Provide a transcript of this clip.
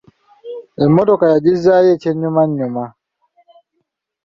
Emmotoka yagizzaayo eky'ennyumannyuma.